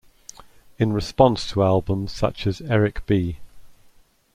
In response to albums such as Eric B.